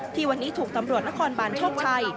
ที่วันนี้ถูกตำรวจนครบานโชคชัย